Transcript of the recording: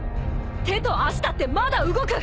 手と足だってまだ動く！